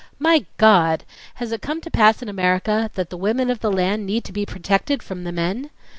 My God, has it come to pass in America that the women of the land need to be protected from the men?"